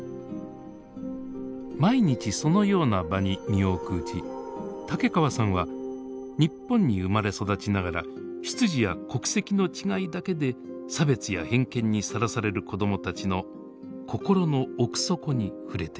毎日そのような場に身を置くうち竹川さんは日本に生まれ育ちながら出自や国籍の違いだけで差別や偏見にさらされる子どもたちの心の奥底に触れてゆきます。